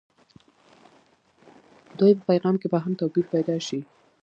دوی په پیغام کې به هم توپير پيدا شي.